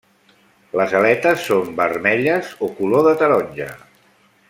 Les aletes són vermelles o color de taronja.